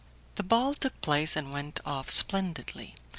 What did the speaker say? The ball took place, and went off splendidly.